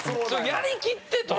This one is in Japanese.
やりきってと。